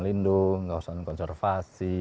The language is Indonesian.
lindung kawasan konservasi